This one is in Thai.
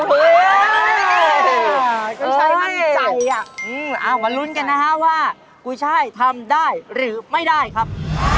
เฮ่ยคุณชายมั่นใจอ่ะอืมมารุ้นกันนะครับว่ากุ้ยชายทำได้หรือไม่ได้ครับ